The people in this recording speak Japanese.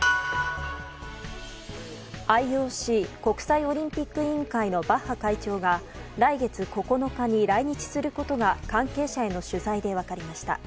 ＩＯＣ・国際オリンピック委員会のバッハ会長が来月９日に来日することが関係者への取材で分かりました。